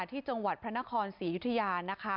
ที่จังหวัดพระนครศรียุธยานะคะ